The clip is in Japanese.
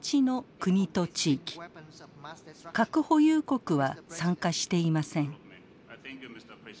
核保有国は参加していません。